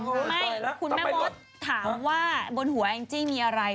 ไม่คุณแม่มดถามว่าบนหัวอาอินเจฮีมีอะไร